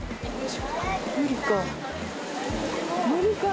無理か。